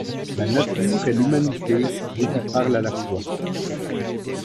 La nature et l'humanité vous y parlent à la fois.